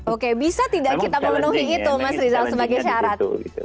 oke bisa tidak kita memenuhi itu mas rizal sebagai syarat